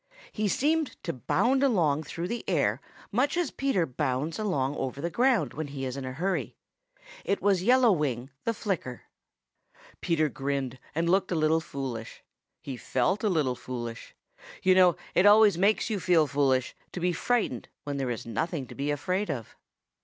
He seemed to bound along through the air much as Peter bounds along over the ground when he is in a hurry. It was Yellow Wing the Flicker. Peter grinned and looked a little foolish. He felt a little foolish. You know it always makes you feel foolish to be frightened when there is nothing to be afraid of.